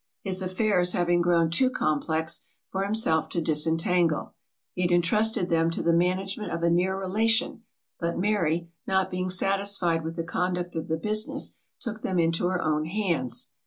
His affairs having grown too complex for himself to disentangle, he had intrusted them to the management of a near relation; but Mary, not being satisfied with the conduct of the business, took them into her own hands.